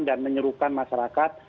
dan menyerukan masyarakat